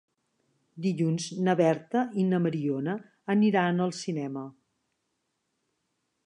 Dilluns na Berta i na Mariona aniran al cinema.